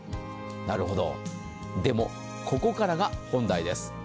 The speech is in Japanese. なるほど、でも、ここからが本題です。